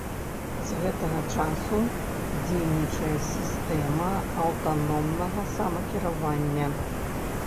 З гэтага часу дзейнічае сістэма аўтаномнага самакіравання.